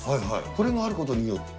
これがあることによって？